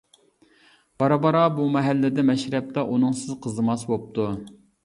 بارا-بارا بۇ مەھەللىدە مەشرەپلەر ئۇنىڭسىز قىزىماس بوپتۇ.